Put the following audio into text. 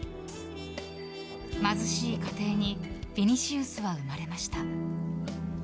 貧しい家庭にヴィニシウスは生まれました。